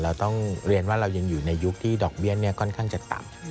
เราต้องเรียนว่าเรายังอยู่ในยุคที่ดอกเบี้ยค่อนข้างจะต่ำ